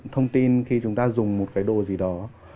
thông tin khi chúng ta dùng một cái đồ gì đó